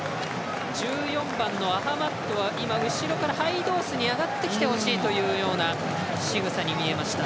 １４番のアハマッドは今、後ろからハイドースに上がってきてほしいというようなしぐさに見えました。